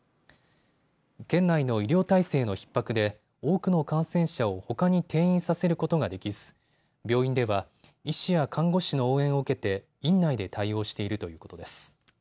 県内の医療体制のひっ迫で多くの感染者をほかに転院させることができず病院では医師や看護師の応援を受けて院内で対応しているということです。